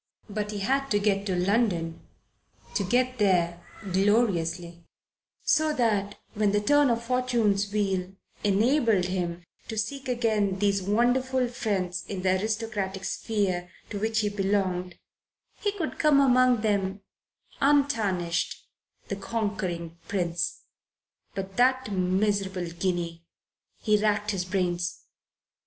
But he had to get to London to get there gloriously; so that when the turn of Fortune's wheel enabled him to seek again these wonderful friends in the aristocratic sphere to which he belonged, he could come among them untarnished, the conquering prince. But that miserable guinea! He racked his brains.